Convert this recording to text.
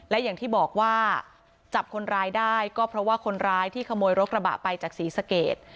และอย่างที่บอกว่าจับคนร้ายได้ก็เพราะว่าคนร้ายที่ขโมยรถกระบะไปจากศรีสเกต